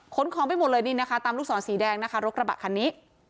ของไปหมดเลยนี่นะคะตามลูกศรสีแดงนะคะรถกระบะคันนี้